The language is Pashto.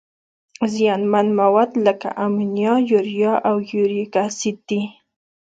زیانمن مواد لکه امونیا، یوریا او یوریک اسید دي.